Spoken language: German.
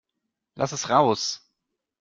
Lass es raus!